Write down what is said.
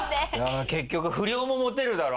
結局不良もモテるだろ？